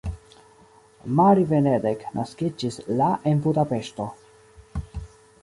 Mari Benedek naskiĝis la en Budapeŝto.